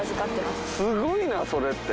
すごいなそれって。